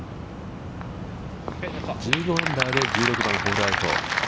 １５アンダーで１６番ホールアウト。